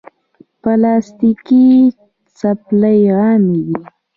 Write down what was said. پلاستيکي چپلی عامې دي.